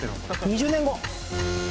２０年後。